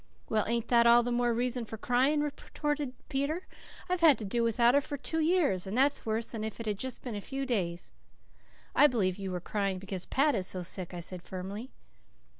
"Well, ain't that all the more reason for crying?" retorted Peter. "I've had to do without her for two years, and that's worse than if it had just been a few days." "I believe you were crying because Pat is so sick," I said firmly.